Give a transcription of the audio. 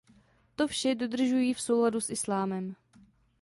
To vše dodržují v souladu s islámem.